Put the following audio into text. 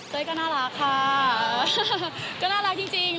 ก็น่ารักค่ะก็น่ารักจริง